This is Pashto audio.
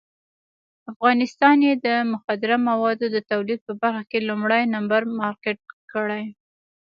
افغانستان یې د مخدره موادو د تولید په برخه کې لومړی نمبر مارکېټ کړی.